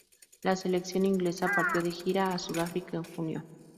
La selección inglesa partió de gira a Sudáfrica en junio.